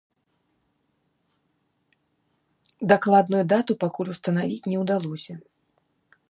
Дакладную дату пакуль устанавіць не ўдалося.